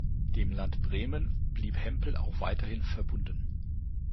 Dem Land Bremen blieb Hempel auch weiterhin verbunden.